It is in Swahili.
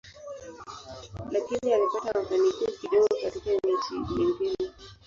Lakini ulipata mafanikio kidogo katika nchi nyingine.